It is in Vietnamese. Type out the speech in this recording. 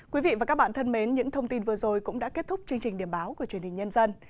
quý vị và các bạn thân mến những thông tin vừa rồi cũng đã kết thúc chương trình điểm báo của truyền hình nhân dân